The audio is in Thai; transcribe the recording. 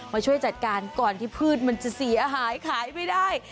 มาช่วยจัดการก่อนที่พืชมันจะเสียหายขายไม่ได้